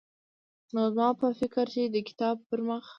نو زما په فکر چې د کتاب پرمخ